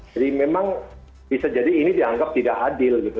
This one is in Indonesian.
jadi memang bisa jadi ini dianggap tidak adil gitu